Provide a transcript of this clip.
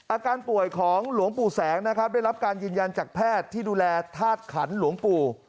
อาการป่วยของหลวงปู่แสงนะครับได้รับการยืนยันจากแพทย์ที่ดูแลธาตุขันหลวงปู่